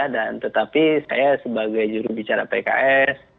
dan tetapi saya sebagai juru bicara pks